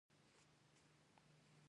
زه نن هامبولټ پوهنتون ته راغلی یم.